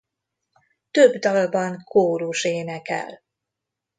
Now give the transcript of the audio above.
Több dalban kórus énekel.